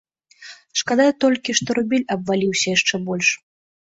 Шкада толькі, што рубель абваліўся яшчэ больш.